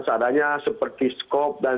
seadanya seperti skop dan